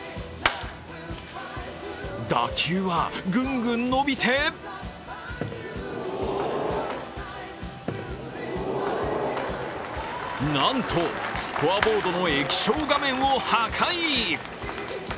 打球はグングン伸びてなんと、スコアボードの液晶画面を破壊。